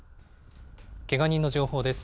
けが人の情報です。